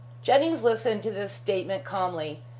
Jennings listened to this statement calmly.